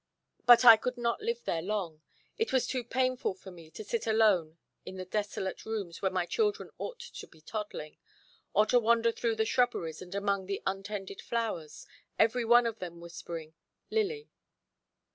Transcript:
But I could not live there long: it was too painful for me to sit alone in the desolate rooms where my children ought to be toddling, or to wander through the shrubberies and among the untended flowers, every one of them whispering "Lily."